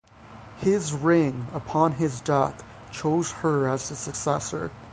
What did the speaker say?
His ring, upon his death, chose her as his successor.